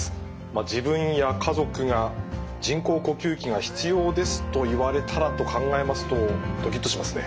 自分や家族が人工呼吸器が必要ですと言われたらと考えますとドキッとしますね。